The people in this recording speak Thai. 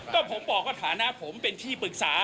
ก็ผมบอกว่าฐานะผมเป็นที่ปรึกษา